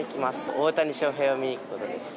大谷翔平を見に行くことです。